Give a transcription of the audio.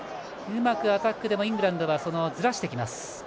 うまくアタックでもイングランドはずらしてきます。